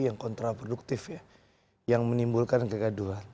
yang kontraproduktif ya yang menimbulkan kegaduhan